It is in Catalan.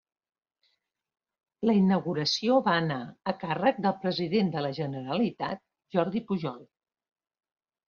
La inauguració va anar a càrrec del president de la Generalitat Jordi Pujol.